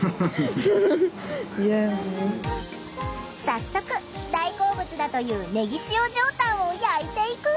早速大好物だというねぎ塩上タンを焼いていく！